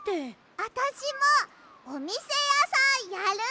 あたしもおみせやさんやる！